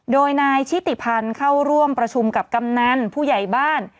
โดยนายชิติพันธ์เข้าร่วมประชุมกับกำนันผู้ใหญ่บ้าน